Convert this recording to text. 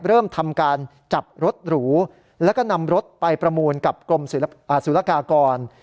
เริ่มทำการจับรถหรูแล้วก็นำรถไปประมูลกับกรมสุรกากร